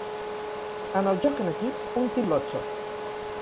En el joc en equip, un Team Lottso!